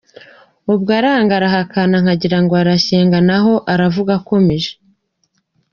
Ubwo aranga arahana nkagira ngo arashyenga naho aravuga akomeje.